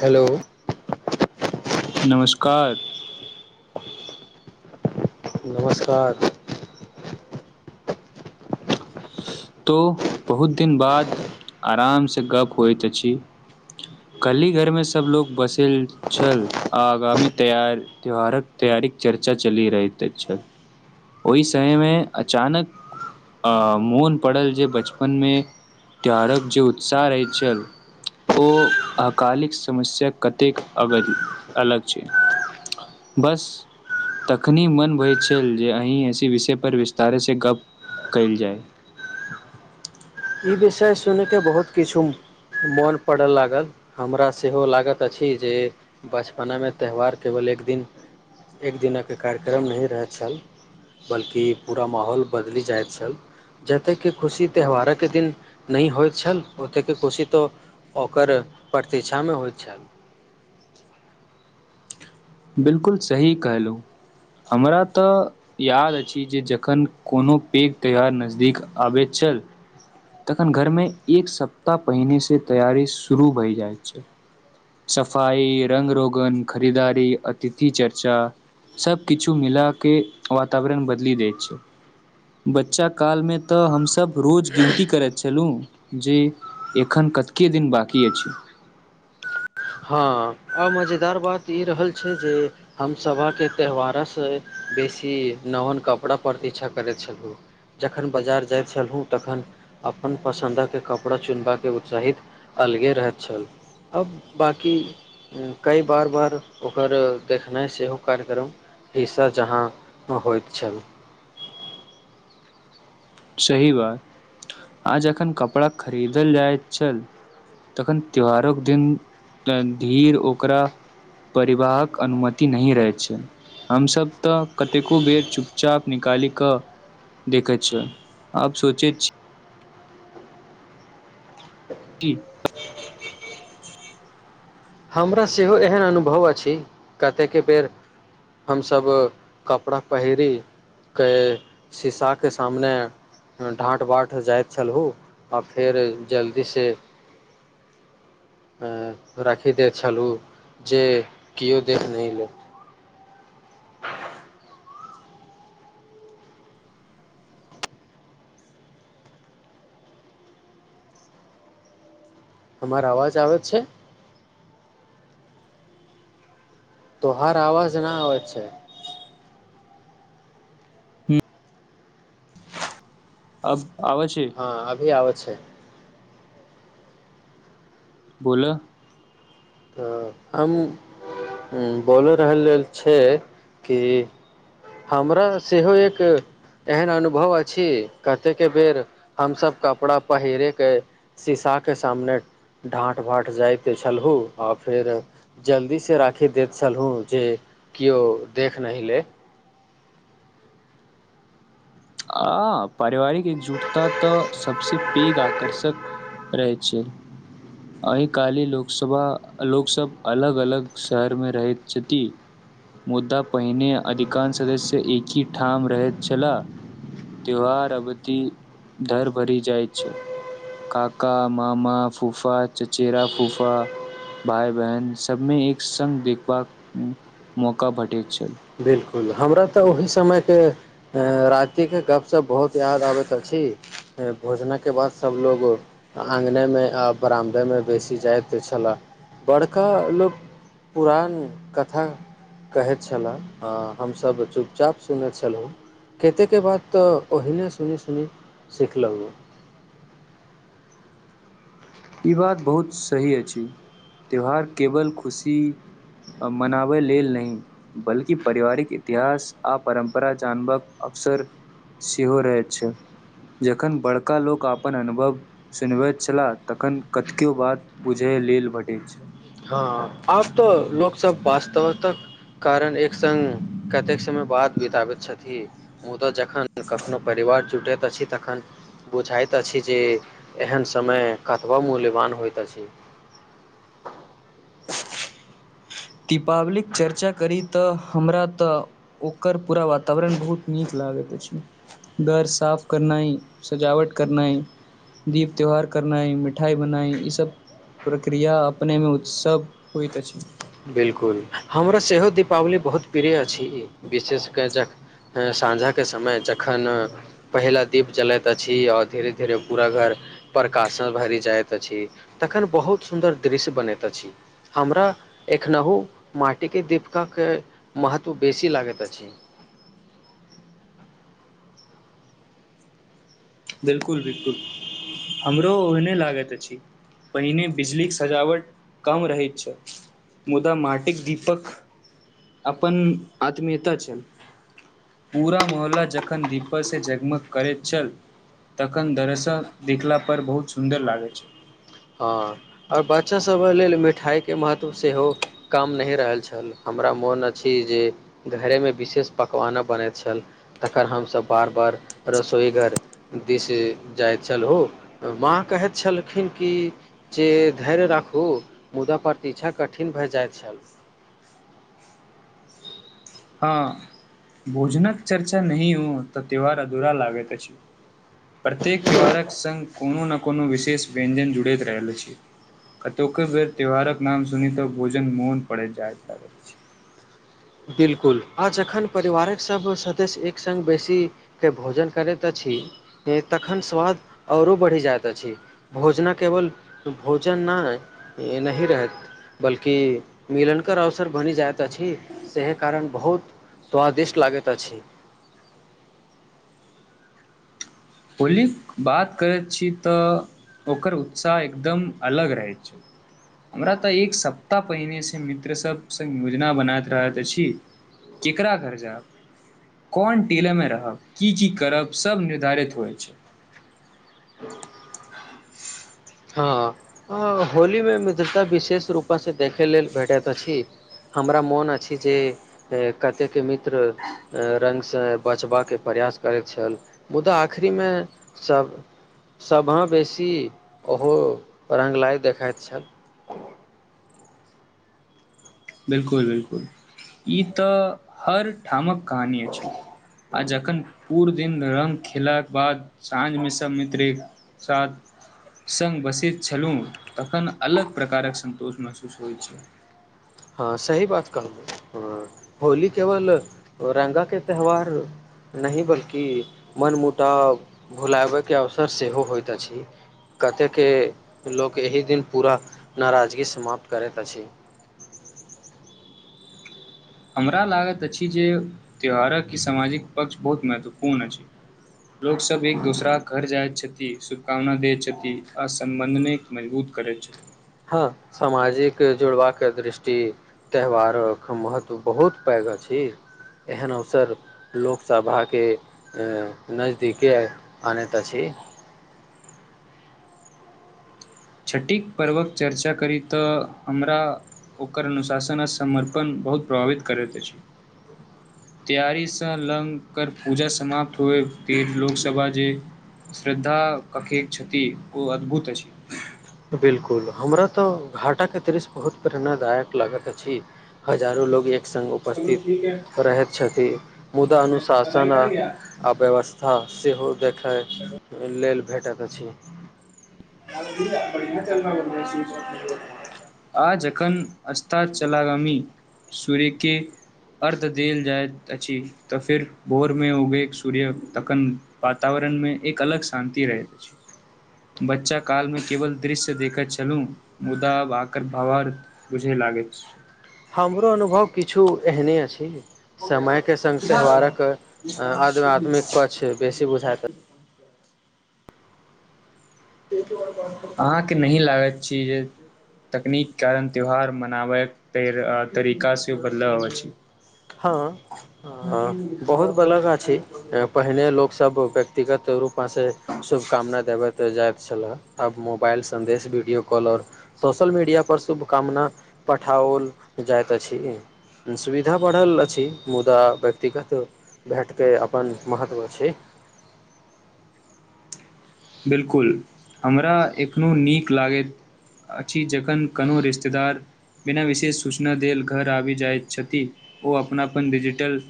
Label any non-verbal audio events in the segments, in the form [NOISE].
hello नमस्कार नमस्कार तो बहुत दिन बाद आराम से गप होइत अछि कलहि घरमे सब लोकोग बसल छल आ आगामी तैय त्योहारक तैयारीक चर्चा चली रहैत छल ओहि समय मे अचानक अ मोन पड़ल जे बचपन मे त्योहारक जे उत्साह रहैत छल ओ अकालिक समस्या कतेक अ अलग छै बस तखनी मन बय छल जे अन्हि ऐसे विषय पर विस्तार से गप कयल जाय ई विषय सुनिक बहुत किछु मोन पड़ऽ लागल हमरा सेहो लागैत अछि जे बचपनामे त्यौहार केवल एक दिन एक दिनक कार्यक्रम नहि रहैत छल बल्कि पूरा माहौल बदलि जाइत छल जतय कि खुशी त्यौहारक ओतेक दिन नहि होइत छल ओतेक खुशी तऽ ओकर प्रतीक्षामे होइत छल बिलकुल सही कहलहुँ हमरा तऽ याद अछि जे जखन कोनो पैघ त्यौहार नजदीक आबैत छल तखन घर मे एक सप्ताह पहिने से तैयारी शुरू भय जाइ छै सफाई रंग रोगन खरीदारी अतिथि चर्चा सब कििछु मिला के वातावरण बदली देै छै बच्चा काल मे तऽ हमस रोज गिनती की करैत छलू जे एखन कतके दिन बकी अछि हँ आ मजेदार बात ई रहल छै जे हमसभा त्यौहारासँ बेसी नवन कपड़ा प्रतीक्षा करैत छलहुँ जखन बाजार जाइत छलहुँ तखन अपन पसन्दे कपड़ा चुनबाके उत्साहित अलगे रहैत छल अब बाँकी कई बार बार ओकर देखनाइ सेहो कार्यक्रम हिस्सा जहाँ होइत छल सही बात आ जखन कपड़ा खरीदल जाइत छल तखन त्योहारोक दिन धीर ओकरा परिवाहक अनुमति नहिही रहैत छै हमसभ तऽ कतेको बेर चुपचाप निकाली कऽ देखैत छिय आब सोचे छी की हमरा सेहो एहन अनुभव अछि कतेक बेर हमसभ कपड़ा पहिर के शीशाके सामने ढाँट बाँट जाइत छलहुँ आ फेर जल्दीसँ राखि हृदय छलहुँ जे केओ देख नहिलथि हमर अवाज आबे छै तोहार आवाज न आवे छै आब हँ अभी आबय छै [INAUDIBLE] बोल तऽ हम बोलय रहल लेल छै कि हमरा सेहो एक एहन अनुभव अछि कतेक बेर हम सबब कपड़ा पहेरे के सीशाके सामने ढाँट भाँट जाइत छलहुँ आ फेर जल्दीसँ राखी दैत छलहुँ जे केओ देख नहि ले आ पारिवारिक एकजुटता तऽ सबसे पैघ आकर्षक रहै छै आ काली लोकसभा लोकसभ अलग अलग शहर मे रहैत छथि मुद्दा पहिने अधिकांश सदस्य एक ह ठाम रहैत छलाह त्योहार अवति धर भरि जाइत छल काका मामा फूफा चचेरा फूफा भाय बहन सबमे एक संगङग देखबाक मौका भेटैत छल बिल्कुल हमरा तऽ ओहि समयके रातिके गपशप बहुत याद आबैत अछि भोजनके बाद सभलोग आङ्गनेमे आ बरामदेमे बेसी जाइत छलय बड़का लोक पुरान कथा कहैत छलए हां हमसभ चुपचाप सुनने छलहुँ कतेकके बात तऽ ओहिने सुनी सुनी सिखलहुँ ई बात बहुत सही अछि त्यौहार केवल खुशी मनाबय लेल नहि बल्कि पारिवारिक इतिहास आ परम्परा जानबाक अवसर सेहो रहैत छै जखन बड़का लोक अपन अनुभव सुनबैत छलाह तखन कतिको बात बुझय लेल भेटैत छै हँ आब तऽ लोक सब वास्तव तक कारण एक सङ्ग कतेक समय बाद बिताबत छथि मुदा जखन कखनो परिवार जुटैत अछि तखन बुझाइत अछि जे एहन समय कतबा मूल्यवान होइत अछि [INAUDIBLE] दीपावलीक चर्चा कर तऽ हमरा तऽ ओकर पूरा वातावरण बहुत नीक लागे घर साफ करनाइ सजावट करनाइ दीप त्योहार करनाइ मिठाई बनाई ई सब प्रक्रिया अपने मे उत्सव होइत अछि बिल्कुल हमरा सेहो दीपावली बहुत प्रिय अछि विशेषकरख सााँझाके समय जखन पहिला दीप जलैत अछि आओर धीरे धीरे पूरा घर प्रकाशन भरि जाइत अछि तखन बहुत सुन्दर दृश्य बनैत अछि हमरा एखनहु माटी के दीपकके महत्व बेसी लागैत अछि बिलकुल बिलकुल हमरो लागैत अछि पहिने बिजलीक सजावट कम रहैत छै मुदा माटिक दीपक अपन आत्मीयता छल पूरा मोहल्ला जखन दीपक से जगमग करैत छल तखन दरसल देखला पर बहुत सुन्दर लागैत छल हि लेल मिठाइके महत्व सेहो कम नहि रहल छल हमरा मोन अछि जे घरेमे विशेष पकवान बनैत छल तखकर हमस बार बार रसोईघर दिस जाइत छल हो माँ कहैत छलखिन की जे धैर्य राखू मुदा प्रतीक्षा कठिन भए जाइत छल हँ भोजनक चर्चा नहिह ह तऽ त्यौहार अधूरा लागैत अछि प्रत्येक त्यौहारक संग कोनो न कोनो विशेष व्यञ्जन जुड़ैत रहल छै कतेको बेर त्यौहारक नाम सुनी तऽ भोजन मौन पड़त जाय लाग अछि बिलकुल आ जखन परिवारक सभ सदस्य एक सङ्ग बेसीके भोजन करैत अछि तखन स्वाद आओरो बढ़ि जाइत अछि भोजना केवल भोजन नहि नहि रहैत बल्कि मिलनकेर अवसर बनि जाइत अछि सेह कारण बहुत स्वादिष्ट लागैत अछि होलीक बात करैत छी तऽ ओकर उत्साह एकदम अलग रहैत छै हमरा तऽ एक सप्ताह पहिनेसँ मित्र सब सङ् योजना बनाैत रहैत अछि केकरा घर जायब कोन टेलेमे रहब की की करब सभ निर्धारित [UNINTELLIGIBLE] हँ हँ होलीमे मित्रता विशेष रूपासँ देखै लेल भेटैत अछि हमरा मोन अछि जे कतेकके मित्र रङ्गसँ बचबाक प्रयास करैत छल मुदा आखरीमे सभ सभ बेसी ओहो रङ्गलाइ देखाइत छल बिलकुल बिलकुल ई तऽ हर ठामक कहानी अछि आ जखन पूरा दिन रंगग खेलाक बाद साँझ मे सब मित्र एक साथ स्ग बसैत छलहु तखन अलग प्रकारक संन्तोष महसूस होइत छै हँ सही बात कहू ह होली केवल रङ्गाके त्यौहार नहि बल्कि मनमुटाव भुलाबैके अवसर सेहो होइत अछि कतेके लोक एहि दिन पूरा नाराजगी समाप्त करैत अछि हमरा लागत अछि जे त्योहारक ई सामाजिक पक्ष बहुत महत्वपूर्ण अछि लोकसभ एक दोसराक घर जाइत छथि शुभकामना दैत छथि आ समबन्धन निक मजबूत करैत छथि हँ सामाजिक जुड़बाके दृष्टि त्यौहारक महत्व बहुत पैघ अछि एहन अवसर लोकसभाके नजदीके आनैत अछि छठिक पर्वक चर्चा करी तऽ हमरा ओकर अनुशासन आ समर्पण बहुत प्रभावित करैत अछि तैयारीसँ लग कर पूजा समाप्त होए फर लोकसभा जे श्रद्धा कखे छथि ओ अद्भुत अछि बिलकुल हमरा तऽ घाटाक के दृश्य बहुत प्रेरणादायक लागत अछि हजारो लोग एक सङ्ग उपस्थित रहैत छथि मुदा अनुशासन आ अव्यवस्था सेहो देखय लेल भेटत अछि आ जखन अस्ता चलागामी सूर्य के अर्ध देल जाइत अछि तऽ फिर भोर मे उगे सूर्य तखन वातावरण मे एक अलग शान्ति रहैत अछि बच्चा काल मे केवल दृश्य देखैत छलूँ मुदा ब आकर भावार बुझय लागैत हमरो अनुभव किछु एहने अछि हो गया न समयके सङ्ग दिखा दो त्यौहारक आध्यात्मिक पक्ष बेसी बुझायत अहाँके नहि लागैत छी जे तकनीक कारण त्यौहार मनाबयके तरीका सेहो बदलाव अबैत छै हँ बहुत बलगह अछि पहिने लोकसभ व्यक्तिगत रूपमेसँ शुभकामना देबै जाइत छल आब मोबाइल सदेश वीडियो कॉल आओर सोशल मीडिया पर शुभकामना पठाओल जाइत अछि बढ़ल अछि मुदा व्यक्तिगत भेटके अपन महत्व छै बिलकुल हमरा एखनो नीक लागैत अछि जखन कोनो रिश्तेदार बिना विशेष सूचना देल घर आबि जाइत छथि ओ अपनाप डिजिटल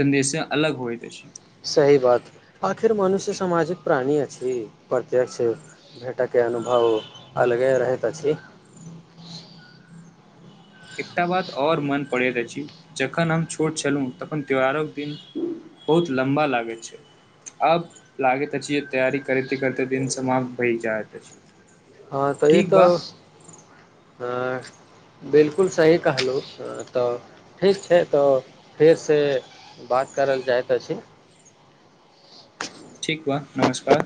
सन्देशसँ अलग होइत अछि सही बात आखिर मनुष्य सामाजिक प्राणी अछि प्रत्य्ष भेटयके अनुभव अलगे रहैत अछि इकटा बाद आर मन पड़ैत अछि जखन हम छोट छलहु तखन त्योहारोक दिन बहुत लम्बा लागैत छै आब लागैत अछि जे तैयारी करिते करिते दिन समाप्त भय जाइत अछि हँ तऽ ई ठीक बा तऽ ह बिलकुल सही कहलहुँ तऽ ठीक छै तऽ फेरसँ बात करल जाइत अछि ठीक व नमस्कार